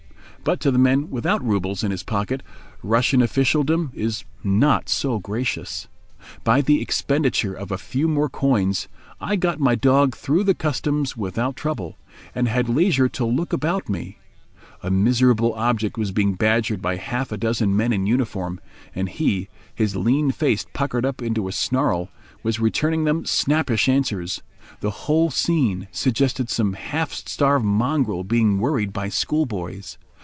But to the man without roubles in his pocket, Russian officialdom is not so gracious. By the expenditure of a few more coins I got my dog through the Customs without trouble, and had leisure to look about me. A miserable object was being badgered by half a dozen men in uniform, and he—his lean face puckered up into a snarl—was returning them snappish answers; the whole scene suggested some half starved mongrel being worried by school boys.